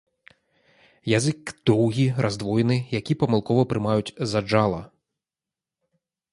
Язык доўгі, раздвоены, які памылкова прымаюць за джала.